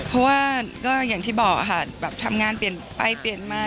เพราะว่าก็อย่างที่บอกค่ะแบบทำงานเปลี่ยนไปเปลี่ยนมา